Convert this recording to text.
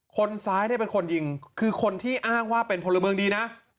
คนซ้ายเนี่ยเป็นคนยิงคือคนที่อ้างว่าเป็นพลเมืองดีนะ